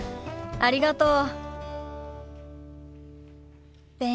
ありがとう。